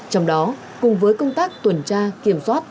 trong đó cùng với công tác tuần tra kiểm soát